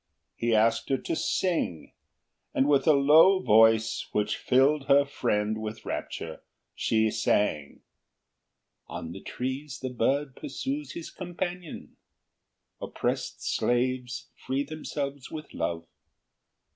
He asked her to sing, and, with a low voice, which filled her friend with rapture, she sang: "On the trees the bird pursues his companion; Oppressed slaves free themselves with love.